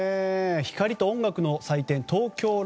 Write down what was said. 光と音楽の祭典